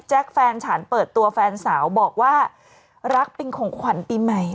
แฟนฉันเปิดตัวแฟนสาวบอกว่ารักเป็นของขวัญปีใหม่